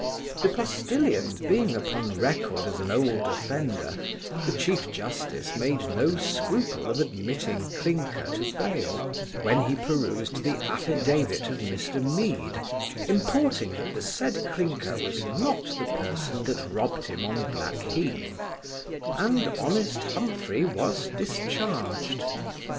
The postilion being upon record as an old offender, the chief justice made no scruple of admitting Clinker to bail, when he perused the affidavit of Mr Mead, importing that the said Clinker was not the person that robbed him on Blackheath; and honest Humphry was discharged.